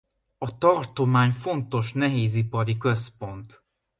A tartomány fontos nehézipari központ.